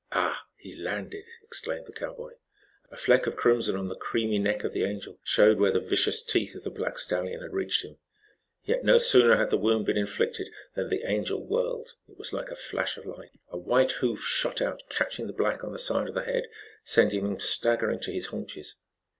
"Ah! He landed!" exclaimed the cowboy. A fleck of crimson on the creamy neck of the Angel showed where the vicious teeth of the black stallion had reached him. Yet, no sooner had the wound been inflicted than the Angel whirled. It was like a flash of light. A white hoof shot out catching the black on the side of the head, sending him staggering to his haunches.